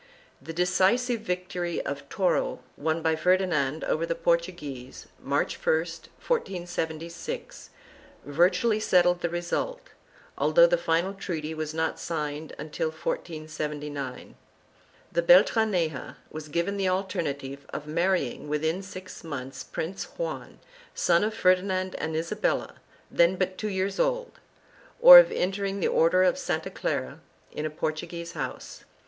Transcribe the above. The decisive victory of Toro, won by Ferdinand over the Portuguese, March 1, 1476, virtually settled the result, although the final treaty was not signed until 1479. The Beltraneja was given the alternative of marrying within six months Prince Juan, son of Ferdinand and Isabella, then but two years old, or of entering the Order of Santa Clara in a Portuguese house.